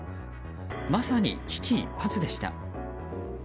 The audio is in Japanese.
まさに危機一髪でした。